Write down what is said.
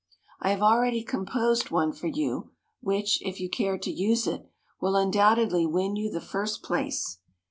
I have already composed one for you, which, if you care to use it, will undoubtedly win you the first place.